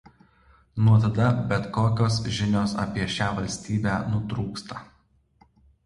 Nuo tada bet kokios žinios apie šią valstybę nutrūksta.